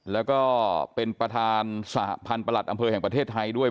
แล้วก็เป็นประธานสหพันธ์ประหลัดอำเภอแห่งประเทศไทยด้วย